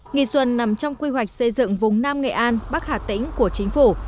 nghi xuân nằm trong quy hoạch xây dựng vùng nam nghệ an bắc hà tĩnh của chính phủ